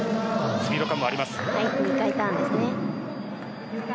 スピード感もあります。